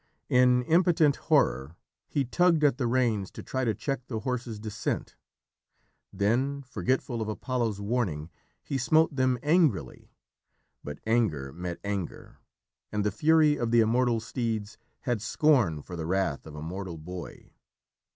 In impotent horror he tugged at the reins to try to check the horses' descent, then, forgetful of Apollo's warning, he smote them angrily. But anger met anger, and the fury of the immortal steeds had scorn for the wrath of a mortal boy.